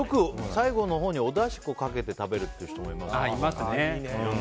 最後のほうに、おだしをかけて食べる人もいますよね。